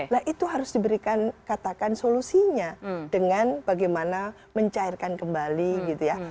nah itu harus diberikan katakan solusinya dengan bagaimana mencairkan kembali gitu ya